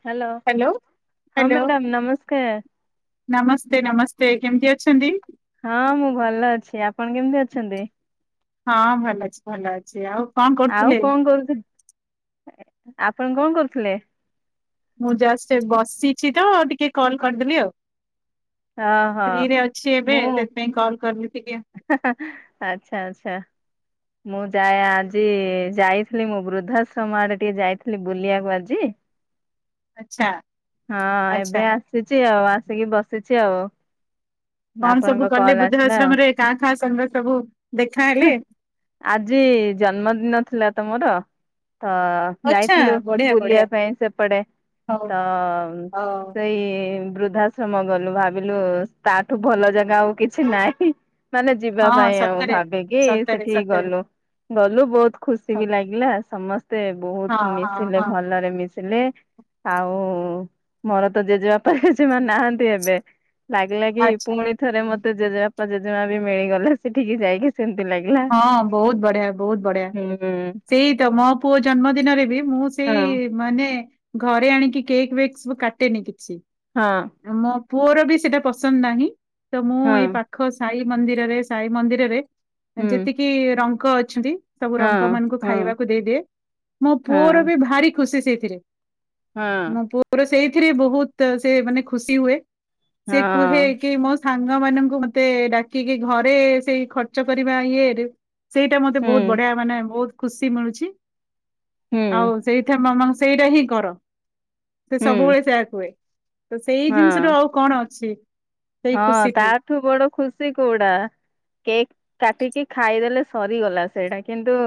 Hello, ହଁ hello madam ନମସ୍କାର। ନମସ୍ତେ, ନମସ୍ତେ, କେମିତି ଅଛନ୍ତି? ହଁ ମୁଁ ଭଲ ଅଛି, ଆପଣ କେମିତି ଅଛନ୍ତି? ହଁ ଭଲ ଅଛି, ଭଲ ଅଛି, ଆଉ। କଣ ଆଉ କରୁଥିଲେ? କଣ କରୁଥିଲ ଆପଣ କଣ କରୁଥିଲେ? ମୁଁ ଜଷ୍ଟ ଏ ବସିଛି ତ ଟିକେ କଲ କରିଦେଲି ଆଉ। ଓହୋ ଫ୍ରୀ ରେ ଅଛି ଏବେ, ମୁଁ ସେଥିପାଇଁ କଲ୍ କରିଲି ଟିକେ। [unintelligible] ଆଚ୍ଛା ଆଛା। ମୁଁ ଯାଏ ଆଜି ଯାଇଥିଲି, ମୁଁ ବୃଦ୍ଧାଶ୍ରମ ଆଡେ ଟିକେ ଯାଇଥିଲି ବୁଲିବାକୁ ଆଜି। ଆଚ୍ଛା ହଁ ଆଚ୍ଛା। ଏବେ ଆସିଚି ଆଉ ଆସିକି ବସିଚି ଆଉ। କଣ ସବୁ ଆପଣଙ୍କ କଲେ କଲ୍ ବୃଦ୍ଧା ଆସିଲା ଆଉ ଆଶ୍ରମରେ କା କା ସାଙ୍ଗେ ସବୁ ଦେଖାହେଲେ? ଆଜି ଜନ୍ମଦିନ ଥିଲା ତ ମୋର ତ ଆଚ୍ଛା ଯାଇଥିଲୁ ବଢିଆ ବଢିଆ ବୁଲିବା ପାଇଁ ସେପଟେ। ହଉ ତ ଅ ସେଇ ବୃଦ୍ଧା ଛ ମଗଲୁ ଭାବିଲୁ ତାଠୁ ଭଲ ଜାଗା ଆଉ କିଛି ନାହିଁ। ମାନେ ଯିବା ହଁ ପାଇଁ ଆଉ ସତରେ। ଭାବିକି ସତରେ ସେଠିକି ସତରେ ଗଲୁ। ଗଲୁ ବହୁତ ଖୁସି ହଁ ବି ଲାଗିଲା ସମସ୍ତେ ବହୁତ୍ ହଁ ମିଶିଲେ ହଁ ଭଲରେ ମିଶ ଶିଲେ ଆଉ ମୋର ତ ଜେଜେବାପା, ଜେଜେମା ନାହାନ୍ତି ଏବେ। ଲାଗିଲା କି ଆଚ୍ଛା। ପୁଣି ଥରେ ମତେ ଜେଜେବାପା ଜେଜେମା ବି ମିଳିଗଲେ ସେଠିକି ଯାଇକି ସେମିତି ଲାଗିଲା। ହଁ, ବହୁତ ବଢିଆ, ବହୁତ ବଢ଼ିଆ। ହୁଁ। ସେଇ ତ ମୋ ପୁଅ ଜନ୍ମଦିନରେ ବି ମୁଁ ସେଇ ହଁ ମାନେ ଘରେ ଆଣିକି କେକ୍ ବେକ୍ସବୁ କାଟେନି କିଛି। ହଁ। ଆ ମୋ ପୁଅର ବି ସେଟା ପସନ୍ଦ ନାହିଁ ତ ମୁଁ ହଁ ଏ ପା ଖ ସାଇ ମନ୍ଦିରରେ ସାଇ ମନ୍ଦିରରେ ହୁଁ ଯେତିକି ରଙ୍କ ଅଛନ୍ତି। ସବୁ ହଁ ରଙ୍କ ମାନଙ୍କୁ ହଁ ଖାଇବାକୁ ଦେଇଦିଏ, ମୋ ହଁ ପୁଅର ବି ଭାରି ଖୁସି ସେଇଥିରେ। ହଁ ମୋ ପୁଅର ସେଇଥିରେ ବହୁତ୍ ସେ ମାନେ ଖୁସି ହୁଏ। ସେ କୁହେ ହଁ। କି ମୋ ସାଙ୍ଗ ମାନଙ୍କୁ ମତେ ଡାକିକି ଘରେ ସେଇ ଖର୍ଚ୍ଚ କରିବା ଇଏରେ ସେଇଟା ମୋତେ ବହୁତ୍ ହୁଁ ବଢିଆ ମାନେ ବହୁତ ଖୁସି ମିଳୁଛି। ହୁଁ ଆଉ ସେଇଠେ ମାମା ସେଇଟା ହିଁ କର। ସେ ହୁଁ ସବୁବେଳେ ସେଆ କୁହେ ତ ସେଇ ଜିନିଷ ଠୁ ହଁ ଆଉ କଣ ଅଛି। ସେଇ ହଁ ତା ଖୁସିଠୁ ଠୁ ବଡ ଖୁସି କୋଉଡା କେକ୍ କାଟିକି ଖାଇଦେଲେ ସରିଗଲା ସେଇଟା କିନ୍ତୁ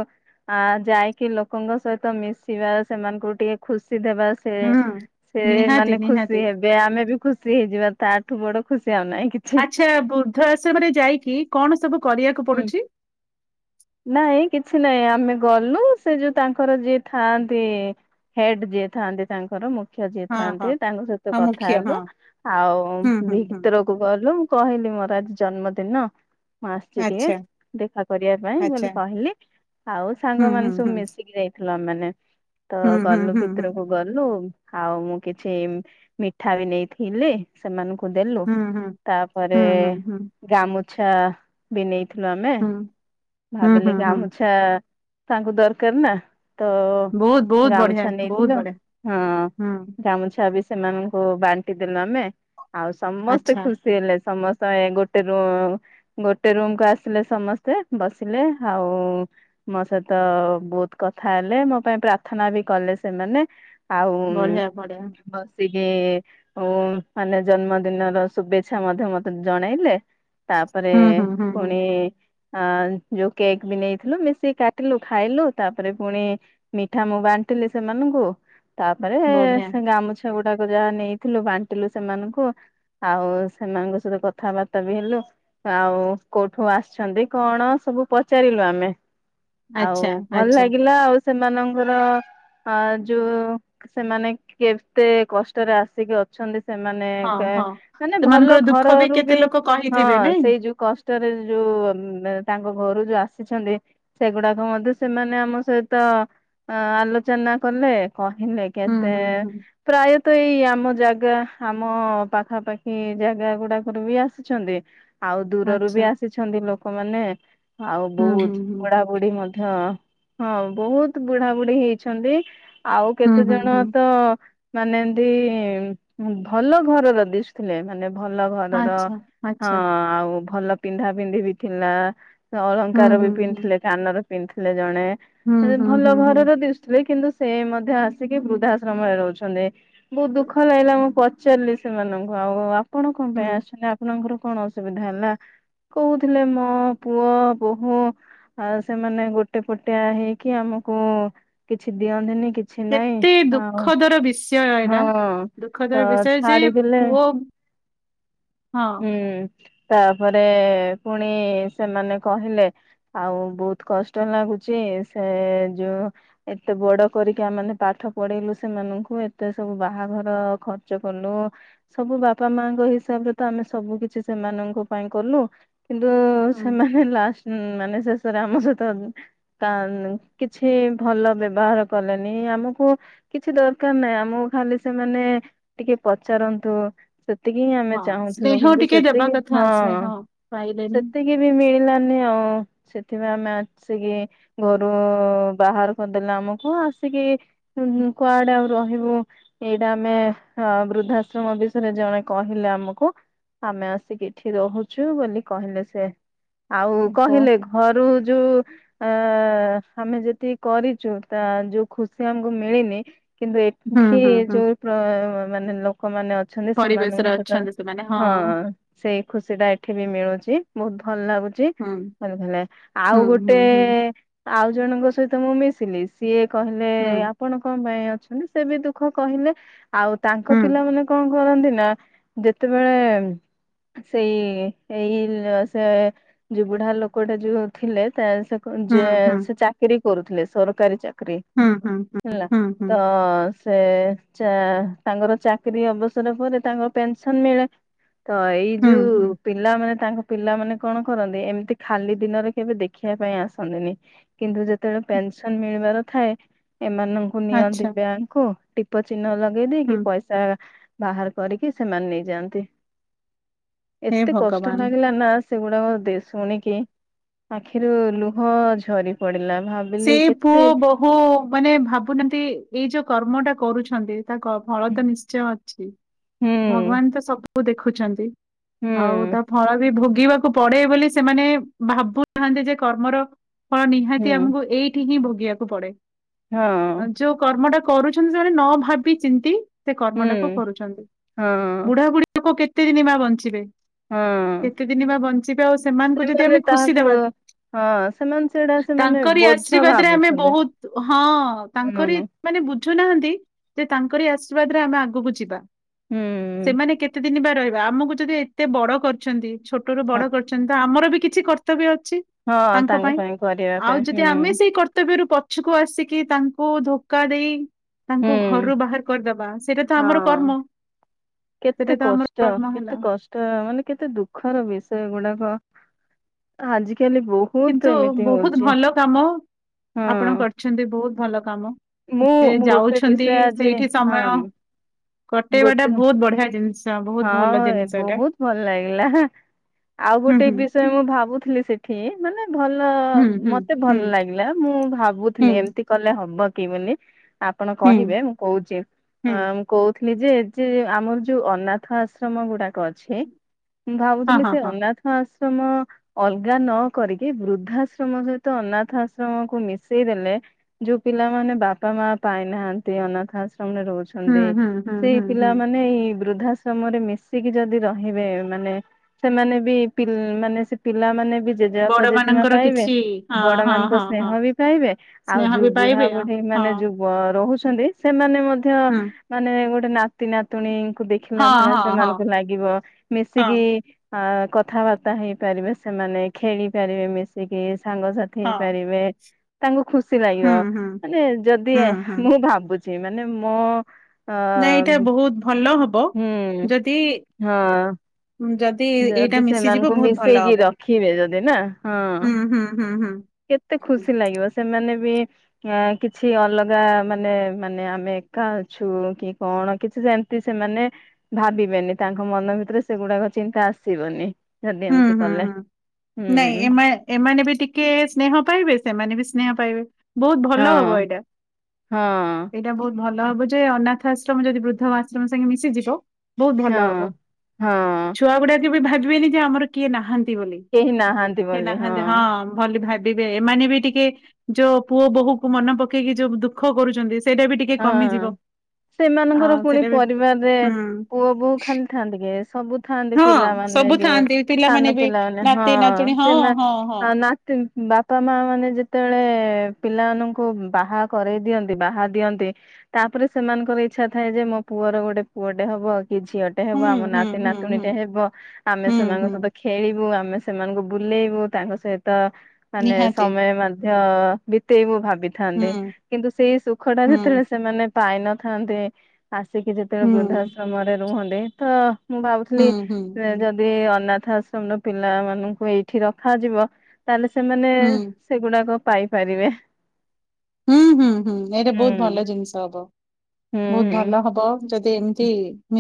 ଆ ଯାଇକି ଲୋକଙ୍କ ସହିତ ମିଶିବା, ସେମାନଙ୍କୁ ଟିକେ ଖୁସି ଦେବା ସେ ହୁଁ ସେ ନିହାତି ମାନେ ଖୁସି ନିହାତି ହେବେ ଆମେ ବି ଖୁସି ହେଇଯିବା ତାଠୁ ବଡ ଖୁସି ଆଉନାହିଁ କି ଆଚ୍ଛା ବୃଦ୍ଧ ଆଶ୍ରମରେ ଯାଇକି କଣ ସବୁ କରିବାକୁ ପଡୁଛି? ନାଏ କିଛି ନାଇଁ ଆମେ ଗଲୁ ସେ ଯୋଉ ତାଙ୍କର ଯିଏ ଥାଆନ୍ତି। ହେଡ୍ ଯିଏ ଥାନ୍ତି ତାଙ୍କର ମୁଁ ଖ୍ୟ ଯିଏ ହଁ ହଁ ଥାନ୍ତି ତାଙ୍କ ସହିତ ହଁ କଥା ମୁଖ୍ୟ ହେଲୁ ହଁ ଆଉ ହୁଁ ହୁଁ ଭି ହୁଁ କୁ ଗଲୁ ମୁଁ କହିଲି ମୋର ଆଜି ଜନ୍ମଦିନ ମୁଁ ଆସଛି ଟିକେ ଆଚ୍ଛା ଦେଖା କରିବା ପାଇଁ ବୋଲି ଆଚ୍ଛା କହିଲି ଆଉ ହୁଁ ସାଙ୍ଗ ମାନ ହୁଁ ସବୁ ହୁଁ ମିଶିକି ଯାଇ ଥିଲୁ ଆମେ ମାନେ ତ ହୁଁ ଗଲୁ ହୁଁ ହୁଁ ଭିତରକୁ ଗଲୁ ଆଉ ମୁଁ କିଛି ମିଠା ବି ନେଇଥିଲି ସେମାନଙ୍କୁ ଦେଲୁ ହୁଁ ହୁଁ। ତାପରେ ହୁଁ ହୁଁ ହୁଁ ଗାମୁଛା ବି ନେଇଥିଲୁ ଆମେ ହୁଁ ଭାବିଲି ହୁଁ ହୁଁ ହୁଁ ଗାମୁଛା ତାଙ୍କୁ ଦରକାର ନା ତ ବହୁତ ବହୁତ ବଢିଆ ଗାମୁଛା ବହୁତ ନେଇଥିଲୁ ବଢିଆ ହଁ ହୁଁ ଗାମୁଛା ବି ସେମାନଙ୍କୁ ବାଣ୍ଟି ଦେଲୁ ଆମେ ଆଉ ସମସ୍ତ ଆଚ୍ଛା ଖୁସି ହେଲେ ସମସ୍ତେ ଏଁ ଗୋଟେ ରୁ ଗୋଟେ ରୁମ କୁ ଆସିଲେ ସମସ୍ତେ ବସିଲେ ଆଉ ମୋ ସହିତ ବହୁତ କଥା ହେଲେ ମୋ ପାଇଁ ପ୍ରାର୍ଥନା ବି କଲେ ସେମାନେ। ଆଉ ବଢିଆ ବଢିଆ ବସିକି ମାନେ ଉଁ ଜନ୍ମଦିନର ଶୁଭେଚ୍ଛା ମଧ୍ୟ ମତେ ଜଣେଇଲେ ତାପରେ ହୁଁ ହୁଁ ହୁଁ ହୁଁ ପୁଣି ଆ ଯୋଉ କେକ୍ ବି ନେଇଥିଲୁ ମିଶିକ କାଟିଲୁ ଖାଇଲୁ ତାପରେ ପୁଣି ମିଠା ମୁଁ ବାଣ୍ଟିଲି ସେମାନଙ୍କୁ ତାପରେ ବଢିଆ ସେ ଗାମୁଛା ଗୁଡାକ ଯାହା ନେଇଥିଲୁ ବାଣ୍ଟିଲୁ ସେମାନଙ୍କୁ। ଆଉ ସେମାନଙ୍କ ସହିତ କଥାବାର୍ତ୍ତା ବି ହେଲୁ ଆଉ କୋଉଠୁ ଆସିଚନ୍ତି କଣ ସବୁ ପଚାରିଲୁ ଆମେ ଆଉ ଆଚ୍ଛା ଭଲ ଆଚ୍ଛା ଲାଗିଲା ଆଉ ସେମାନଙ୍କର ଆ ଯୋଉ ସେମାନେ କେତେ କଷ୍ଟରେ ଆସିକି ଅ ଅଛନ୍ତି ସେମାନେ ହଁ କ ହଁ ମାନେ ଭଲ ସେମାନଙ୍କର ଦୁଃଖ ଘରରୁ କେତେ ବି ଲୋକ ହଁ କହିଥିବେ ନାଇଁ? ସେଇ ଯୋଉ କଷ୍ଟରେ ଯୋଉ ତାଙ୍କ ଘରୁ ଯୋଉ ଆସିଚନ୍ତି ସେଗୁଡାକ ମଧ୍ୟ ସେମାନେ ଆମ ସହିତ ଆଲୋଚନା କଲେ କହିଲେ। ହୁଁ କେତେ ହୁଁ ହୁଁ ପ୍ରାୟତଃ ଏଇ ଆମ ଜାଗା ଆମ ପାଖାପାଖି କି ଜାଗା ଗୁଡାକରୁ ବି ଆସୁଛନ୍ତି। ଆଉ ଦୂରରୁ ବି ଆଚ୍ଛା ଆସିଛନ୍ତି ଲୋକମାନେ ଆଉ ହୁଁ ବହୁତ ହୁଁ ହୁଁ ବୁଢା ବୁଢୀ ମଧ୍ୟ ହଁ ବହୁତ ବୁଢାବୁଢୀ ହେଇଛନ୍ତି ଆଉ ହୁଁ ହୁଁ କେତେଜଣ ହୁଁ ତ ମାନେ ଏମିତି ଭଲ ଘରର ଦିଶୁ ଥିଲେ ମାନେ ଭଲ ଘରର ଆଚ୍ଛା ହଁ ଆଚ୍ଛା ଆଉ ଭଲ ପିନ୍ଧା ପିନ୍ଧି ବି ଥିଲା ହୁଁ ଅଳଙ୍କାର ବି ହୁଁ ହୁଁ ପିନ୍ଧିଥିଲେ କାନର ପିନ୍ଧିଥିଲେ ଜଣେ ଏ ଯେ ହୁଁ ହୁଁ ଭଲ ହୁଁ ଘରର ଦିଶୁଥିଲେ କିନ୍ତୁ ସେ ମଧ୍ୟ ଆସିକି ବୃଦ୍ଧାଶ୍ରମରେ ରହୁଛନ୍ତି ବହୁତ ହୁଁ। ଦୁଃଖ ଲାଗିଲା ମୁଁ ପଚାରିଲି ସେମାନଙ୍କୁ ଆଉ ଆପଣ କଣ ପାଇଁ ହୁଁ ଆସଛନ୍ତି ଆପଣଙ୍କର କଣ ଅସୁବିଧା ହେଲା? କହୁଥିଲେ ମୋ ପୁଅ ବୋହୂ ଆଉ ସେମାନେ ଗୋଟେ ପଟିଆ ହେଇକି ଆମକୁ କିଛି ଦିଅନ୍ତିନି କିଛି ନାଇଁ କେତେ ଆଉ ଦୁଃଖଦର ବିଷୟ ଏଇଟା ହଁ ତ ଦୁଃଖଦର ବିଷୟ ଯେ ଛାଡିଦେଲେ ପୁଅ ହଁ। ହୁଁ ତାପରେ ପୁଣି ସେମାନେ କହିଲେ ଆଉ ବହୁତ କଷ୍ଟ ଲାଗୁଚ ସେ ଯୋଉ ଏତେ ବଡ କରିକି ଆମେ ପାଠ ପଢେଇଲୁ ସେମାନଙ୍କୁ ଏତେ ସବୁ ବାହାଘର ଖଚ୍ ର୍ଚ୍ଚ କଲୁ ସବୁ ବାପା ମାଙ୍କ ହିସାବରେ ତ ଆମେ ସବୁ କିଛି ସେମାନଙ୍କ ପାଇଁ କଲୁ କିନ୍ତୁ ହୁଁ ସେମାନେ ଲାସ ମାନେ ଶେଷରେ ଆମ ସହିତ ତା କିଛି ଭଲ ବ୍ୟବହାର କଲେନି ଆମକୁ କିଛି ଦରକାର ନାହିଁ ଆମକୁ ଖାଲି ସେମାନେ ଟିକେ ପଚାରନ୍ତୁ। ସେତିକି ହିଁ ଆମେ ହଁ ଚାହୁଁଥିଲୁ ସ୍ନେହ କିନ୍ତୁ ଟିକେ ଦେବା ସେତିକି କଥା ହଁ ସ୍ନେହ ପାଇଲେନି ସେତିକି ବି ମିଳିଲାନି ଆଉ ସେଥିପାଇଁ ଆମେ ଆସିକି ଘରୁ ବାହାର କରିଦେଲେ ଆମକୁ ଆସିକି କୁଆଡେ ଆଉ ରହିବୁ ଏଇଟା ଆମେ ଅ ବୃଦ୍ଧା ଆଶ୍ରମ ବିଷୟରେ ଜଣେ କହିଲେ ଆମକୁ ଆମେ ଆସିକି ଏଠି ରହୁଛୁ ବୋଲି କହିଲେ ସେ ଆଉ ଓହୋ। କହିଲେ ଘରୁ ଯୋଉ ଅ ଆମେ ଯେତିକି କରିଛୁ ତା ଯୋଉ ଖୁସି ଆମକୁ ମିଳିନି କିନ୍ତୁ ହୁଁ ଏଠି ହୁଁ ହୁଁ ଯୋଉ ପ୍ର ମାନେ ଲୋକମାନେ ଅ ଅଛନ୍ତି ପରିବେଶରେ ସେମାନଙ୍କ ସହିତ ଅଛନ୍ତି ସେମାନେ ହଁ। ସେଇ ଖୁସି ଟା ଏଠି ବି ମିଳୁଛି ବହୁତ ଭଲ ଲାଗୁ ଚି ହୁଁ [unintelligible] ଆଉ ହୁଁ ଗୋଟେ ହୁଁ ହୁଁ ଆଉ ଜଣଙ୍କ ସହିତ ମୁଁ ମିଶିଲି ସିଏ କହିଲେ ହୁଁ ଆପଣ କଣ ପାଇଁ ଅଛନ୍ତି ସେ ବି ଦୁଃଖ କହିଲେ ଆଉ ତାଙ୍କ ହୁଁ ପିଲାମାନେ କଣ କରନ୍ତି ନା ଯେତେବେଳେ ସେଇ ଏଇ ସେ ଯୋଉ ବୁଢା ଲୋକଟା ଯୋଉ ଥିଲେ ତା ହୁଁ ଯେ ହୁଁ। ସେ ଚାକିରୀ କରୁଥିଲେ ସରକାରୀ ଚାକିରୀ। ହୁଁ, ହୁଁ, ହୁଁ, ହେଲା ହୁଁ, ହୁଁ, ତ ସେ ଚା ତାଙ୍କର ଚାକିରୀ ଅବସର ପରେ ତାଙ୍କର ପେନସନ ମିଳେ। ତ ଏଇ ହୁଁ, ଯୋଉ ହୁଁ, ପିଲାମାନେ ତାଙ୍କ ପିଲାମାନେ କଣ କରନ୍ତି, ଏମିତି ଖାଲି ଦିନରେ କେବେ ଦେଖିବା ପାଇଁ ଆସନ୍ତିନି। କିନ୍ତୁ ଯେତେବେଳେ ପେନସନ ମିଳିବାର ଥାଏ ଏମାନ କୁ ନିଅନ୍ତି ଆଚ୍ଛା, ବ୍ୟାଙ୍କକୁ ଟିପ ଚିହ୍ନ ଲଗେଇଦେଇ ହୁଁ, ପଇସା ବାହାର କରିକି ସେମାନେ ନେଇଯାଆନ୍ତି। ହେ ଏତେ କଷ୍ଟ ଭଗବାନ! ଲାଗିଲା ନା ସେଗୁଡାକ ଦେ ଶୁଣିକି ଆଖିରୁ ଲୁହ ଝରିପଡିଲା, ଭା ସେ ପୁଅ, ବୋହୁ ମାନେ ଭାବୁନାହାନ୍ତି, ଏଇ ଯୋଉ କର୍ମଟା କରୁଛନ୍ତି ତା କ ଫଳତ ନିଶ୍ଚୟ ଅଛି, ହୁଁ ଭଗବାନତ ସବୁ ଦେଖୁଛନ୍ତି। ଆଉ ହୁଁ ତା ଫଳବି ଭୋଗିବାକୁ ପଡେ ବୋଲି ସେମାନେ ଭାବୁନାହାନ୍ତି ଯେ କର୍ମର ଫଳ ହୁଁ ନିହାତି ଆମକୁ ଏଇଠି ହିଁ ଭୋଗିବାକୁ ପଡେ। ହଁ। ଆଉ ଯୋଉ କର୍ମଟା କରୁଛନ୍ତି ସେମାନେ ନଭାବି ଚିନ୍ତି ସେ ହୁଁ କର୍ମଟାକୁ କରୁଛନ୍ତି, ହଁ ବୁଢା ବୁଢୀ ଲୋକ କେତେ ଦିନ ମା ବଞ୍ଚିବେ ହଁ କେତେ ଦିନବା ବଞ୍ଚିବେ, ଆଉ ସେମାନଙ୍କୁ ଯଦି ସେମାନେ ଆମେ ଖୁସି ତାହାକୁ ଦେବା ହଁ ସେମାନେ ସେଇଟା ସେମାନେ ବୋଝ ଆଶ୍ରୀବାଦରେ ଆମେ ଭାବୁଛନ୍ତି ବହୁତ ହଁ ହୁଁ ତାଙ୍କରି ମାନେ ବୁଝୁନାହାନ୍ତି ଯେ ତାଙ୍କର ଆଶୀର୍ବାଦରେ ଆମେ ଆଗକୁ ଯିବା। ହୁଁ ସେମାନେ କେତେ ଦିନ ବା ରହିବା ଆମକୁ ଯଦି ଏତେ ବଡ କରିଛନ୍ତି, ଛୋଟ ରୁ ବଡ ହଁ କରିଛନ୍ତି ତ ଆମରବି କିଛି କର ତବ୍ୟ ଅଛି ହଁ ତାଙ୍କ ପାଇଁ କରିବା ପାଇଁ ହୁଁ। ସେ କର୍ତ୍ତବ୍ୟରୁ ପଛକୁ ଆସିକି ତାଙ୍କୁ ଧୋକା ଦେଇ ହୁଁ ତାଙ୍କୁ ଘରୁରୁ ବାହାର କରିଦବା ସେଇଟାତ ଆମର ହଁ କର୍ମ। ସେଇଟା କେତେ ତ ଆମର କଷ୍ଟ କର୍ମ ହେଲା କେତେ କ ତ ମାନେ କେତେ ଦୁଃଖର ବିଷୟ ଏଗୁଡାକ, ଆଜିକାଲି ବହୁ କିନ୍ତୁ ବହୁତ ଭଲକାମ ଆପଣ ହଁ କରିଛନ୍ତି, ବହୁତ ଭଲକାମ। ମୁଁ ସେ ମୁଁ ଗୋଟେ ଯାଉଛନ୍ତି ବିଷୟ ଆଜି ସେଇଠି ସମୟ ହଁ କଟେଇବା ଟା ଗୋଟେ ବହୁତ ବଢିଆ ଜିନିଷ ବହୁତ ହଁ ଭଲ ଜିନିଷ ଏଟା। ବହୁତ ଭଲ ଲାଗିଲା, ଆଉ ହୁଁ ଗୋଟେ ହୁଁ ବିଷୟ ମୁଁ ଭାବୁଥିଲି ସେଠ ମାନେ ଭଲ ହୁଁ ହୁଁ ମତେ ଭଲ ହୁଁ ଲାଗିଲା, ମୁଁ ହୁଁ ଭାବୁଥିଲି ଏମିତି କଲେ ହବକି ବୋଲି ଆପଣ ହୁଁ କହିବେ, ମୁଁ କହୁଛି ହୁଁ ହଁ ମୁଁ କହୁଥି ଲି ଯେ ଆମର ଯୋଉ ଅନାଥ ଆଶ୍ରମ ଗୁଡାକ ଅଛି। ମୁଁ ହଁ ଭାବୁଥିଲି ହଁ ସେ ହଁ। ଅନାଥ ଆଶ୍ରମ ଅଲଗା ନକରିକି ବୃଦ୍ଧାଶ୍ରମ ସହିତ ଅନାଥଆଶ୍ରମକୁ ମିଶେଇ ଦେଲେ ଯୋଉ ପିଲାମାନେ ବାପା ମା ପାଇନାହାନ୍ତି ଅନାଥ ଆଶ୍ରମରେ ରହୁଛ ହୁଁ ହୁଁ ହୁଁ ସେଇ ହୁଁ ହୁଁ ପିଲାମାନେ ଏଇ ବୃଦ୍ଧା ସମରେ ମିଶିକି ଯଦି ରହିବେ ମାନେ, ସେମାନେ ବି ମାନେ ସେ ପିଲାମାନେ ବି ଜେଜେବାପା, ବଡ ଜେଜେମା ମାନଙ୍କର ପାଇବେ କିଛି ହଁ ବଡ ହଁ ମାନଙ୍କ ହଁ ସ୍ନେହ ହଁ। ବି ପାଇବେ ଆଉ ସ୍ନେହ ଯୋଉ ବି ପାଇବେ ଆଉ ବୁଢାବୁଢୀ ହଁ ମାନେ ଯଉ ରହୁଛନ୍ତି, ସେମାନେ ମଧ୍ୟ ହୁଁ ମାନେ ଗୋଟେ ନାତି, ନାତୁଣୀଙ୍କୁ ଦେଖି ସ୍ନେହ ହଁ ଭଳିଆ ହଁ ହଁ। ସେମାନଙ୍କୁ ଲାଗିବ ହଁ ମିଶିକି କଥାବାର୍ତ୍ତା ହେଇପାରିବେ, ସେମାନେ ଖେଳି ପାରିବେ ମିଶିକି ସାଙ୍ଗସାଥି ହଁ ହେଇପାରିବେ ତାଙ୍କୁ ଖୁସି ଲାଗିବ ହୁଁ ହୁଁ ମାନେ ଯଦି ହୁଁ ହୁଁ ମୁଁ ଭାବୁଛି। ଏମାନେ ମୋ ଅ ନାଇ ଏଇଟା ବହୁତ ଭଲ ହବ, ହୁଁ ଯଦିି ହଁ ଯଦି ସେମାନଙ୍କୁ ମିଶେଇକି ରଖିବେ ଯଦି ନା ହଁ। ହୁଁ ହୁଁ ହୁଁ ହୁଁ। କେତେ ଖୁସି ଲାଗିବ ସେମାନେ ବି କିଛି ଅଲଗା ମାନେ ମାନେ ଆମେ କା ଝୁ କି କଣ କିଛି ଜାଣ ସେମାନେ ଭାବିବେନି ତାଙ୍କ ମନ ଭିତରେ ସେଗୁଡାକ ଚିନ୍ତା ଆସିବନି। ଯଦି ହୁଁ ଏମିତି ହୁଁ କଲେ। ହୁଁ ନାଇଁ ହୁଁ ଏମ ଏମାନେ ବି ଟିକେ ସ୍ନେହ ପାଇବେ ସେମାନେ ବି ସ୍ନେହ ପାଇବେ ବହୁତ ଭଲ ହବ ହଁ ଏଇଟା ହଁ ଏଇଟା ବହୁତ ଭଲ ହବ ଯେ ଅନାଥ ଆଶ୍ରମ ଯଦି ବୃଦ୍ଧ ଆଶ୍ରମ ସାଙ୍ଗେ ମିଶିଯିବ। ବହୁତ ଭଲ ହବ ହଁ ହଁ ଛୁଆ ଗୁଡା କେବେ ଭାବିବେନି ଯେ ଆମର କିଏ ନାହାନ୍ତି ବୋଲି। କେହି ନାହାନ୍ତି ବୋଲି ହଁ। ଭ ଭାବିବେ ଏମାନେ ବି ଟିକେ ଯୋଉ ପୁଅ ବୋହୂକୁ ମନେ ପକେଇକି ଯୋଉ ଦୁଃଖ କରୁଛନ୍ତି ସେଇଟା ବି ଟିକେ ହଁ। କମିଯିବ। ଆ ସେମାନଙ୍କର ପୁଣି ସେଇଟା ବି ପରିବାରରେ ହୁଁ ପୁଅ ବୋହ ଖାଲି ଥାନ୍ତି କି ସବୁ ଥାନ୍ତି ହଁ ପିଲାମାନେ ସବୁ ଯଉ ଥାଆନ୍ତି ପିଲାମାନେ ସାନ ବି ପିଲାମାନେ ହଁ ନାତି ନାତୁଣୀ ହଁ ହଁ ହଁ ସେମାନେ ନା ବାପା ମା ମାନେ ଯେତେବେଳେ ପିଲାମାନଙ୍କୁ ବାହା କରେଇ ଦିଅନ୍ତି ବାହା ଦିଅନ୍ତି ତାପରେ ସେମାନଙ୍କର ଇଚ୍ଛା ଥାଏ ଯେ ମୋ ପୁଅର ଗୋଟେ ପୁଅଟେ ହବ କି ଝିଅ ଟେ ହବ ହୁଁ ଆମ ହୁଁ ନାତି ହୁଁ ନାତୁଣୀ ହୁଁ ଟେ ହେବ ଆମେ ହୁଁ ସେମାନଙ୍କ ହୁଁ ସହିତ ଖେଳିବୁ ଆମେ ସେମାନଙ୍କୁ ବୁଲେଇବୁ ତାଙ୍କ ସହିତ ମାନେ ନିହାତି ସମୟ ମଧ୍ୟ ବିତେଇବୁ ଭାବିଥାନ୍ତନ୍ତି ହୁଁ। କିନ୍ତୁ ସେଇ ସୁଖ ଟା ଯେ ହୁଁ ସେମାନେ ପାଇନଥାନ୍ତି ଆସିକି ଯେତେବେଳେ ହୁଁ ବୃଦ୍ଧାଶ୍ରମରେ ରୁହନ୍ତି ତ ମୁଁ ଭାବୁଥିଲି ହୁଁ ହୁଁ ହୁଁ ଯଦି ଅନାଥ ଆଶ୍ରମ ର ପିଲା ମାନଙ୍କୁ ଏଇଠି ରଖାଯିବ ତାହେଲେ ସେମାନେ ହୁଁ ସେଗୁଡାକ ପାଇପାରିବେ। ହୁଁ ହୁଁ ହୁଁ ଏଇଟା ବହୁତ ହୁଁ ଭଲ ଜିନିଷ ହବ ହୁଁ ବହୁତ ଭଲ ହବ। ଯଦି ଏମିତି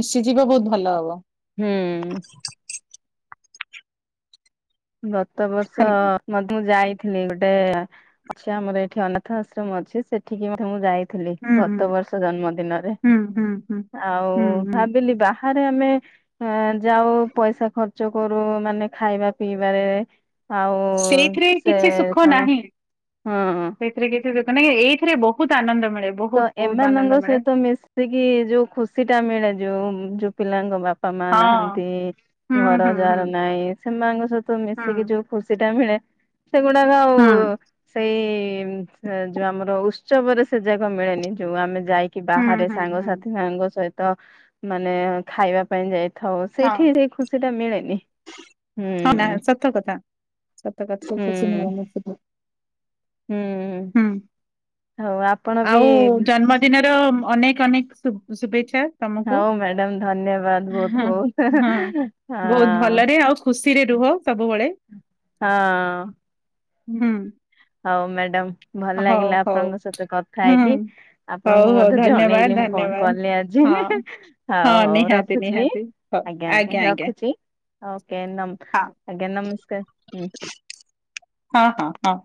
ମିଶିଯିବ ବହୁତ ଭଲ ହବ। ହୁଁ। ଗତ ବର୍ଷ ହାଲୋ ମ ମୁଁ ଯାଇଥିଲି ଗୋଟେ ଅଛି ଆମର ଏଠି ଅନାଥ ଆଶ୍ରମ ଅଛି ସେଠିକି ମୁଁ ଯାଇ ଥିଲି ହୁଁ ହୁଁ ଗତ ବର୍ଷ ଜନ୍ମ ଦିନରେ ହୁଁ ହୁଁ ହୁଁ ଆଉ ହୁଁ ହୁଁ ଭାବିଲି ବା ବାରେ ଆମେ ଯାଉ ପଇସା ଖର୍ଚ୍ଚ କରୁ ମାନେ ଖାଇବା ପିଇବାରେ। ଆଉ ସେଇଥିରେ ସେ କିଛି ସୁଖ କଣ ନାହିଁ। ହଁ। [inaudible] ଏଇଥିରେ ବହୁତ ଆନନ୍ଦ ମିଳେ। ତ ବହୁତ ବହୁତ ଆନନ୍ଦ ଏମାନଙ୍କ ମିଳେ। ସହିତ ମିଶିକି ଯୋଉ ଖୁସିଟା ମିଳେ ଯୋଉ ଯୋଉ ପିଲାଙ୍କ ବାପ ବାପା ମା ହଁ ନାହାଁନ୍ତି ହୁଁ ଘର ହୁଁ ହୁଁ ଯାର ନାଇଁ ସେମାନଙ୍କ ସହିତ ହୁଁ ମିଶିକି ଯୋଉ ଖୁସିଟା ମିଳେ ସେଗୁଡାକ ଆଉ ହୁଁ ସେଇ ଯୋଉ ଆମର ଉତ୍ସବରେ ସେ ଯାକ ମିଳେନି। ଯୋଉ ଆମେ ଯାଇକି ହୁଁ ବାହାରେ ହୁଁ ହୁଁ ସାଙ୍ଗସାଥି ସାଙ୍ଗ ସହିତ ମାନେ ଖାଇବା ପାଇଁ ଯାଇ ଥାଉ ହଁ। ସେଇଠି ସେ ଖୁସିଟା ମିଳେନି। ହଁ ନା ହୁଁ ସତ କଥା ସତ କଥା। ହୁଁ [inaudible] ହୁଁ ହଉ ଆପଣ ବି ଆଉ ଜନ୍ମା ଦିନର ଅନେକ ଅନେକ ଶୁବେଚ୍ଛା। ତମକୁ ହଉ ମ୍ୟାଡାମ ଧନ୍ୟବାଦ ବହୁତ ହଁ ହଁ ବହୁତ ବହୁତ ହଁ ଭଲରେ ଆଉ ଖୁସିରେ ରୁହ ସବୁବେଳେ। ହଁ ଅଁ। ହୁଁ। ହଉ ମ୍ୟାଡ଼ମ୍। ଭଲ ହଉ ଲାଗିଲା ହଉ ଆପଣଙ୍କ ସହିତ କଥା ହୁଁ ହେଇକି ହଉ ଆପଣଙ୍କୁ ହଉ ମଧ୍ୟ ଧନ୍ୟବାଦ ଜଣେଇଲି ମୁଁ କଣ ଧନ୍ୟବାଦ। କଲି ଆଜି। ହଁ ହଉ ହଁ ହଉ ନିହାତି ରଖୁଚି ନିହାତି ହଉ ଆଜ୍ଞା ଆଜ୍ଞା ରଖୁଚି ଓ କେ ନମ ହଁ ଆଜ୍ଞା ନମସ୍କାର ହୁଁ। ହଁ ହଁ ହଁ।